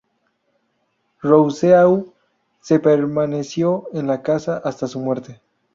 Rousseau se permaneció en la casa hasta su muerte.